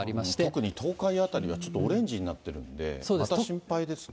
特に東海辺りがちょっとオレンジになってるんで、また心配ですね。